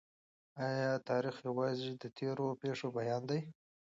آیا تاریخ یوازي د تېرو پېښو بیان دی؟